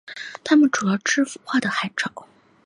它们主要吃腐化的海草。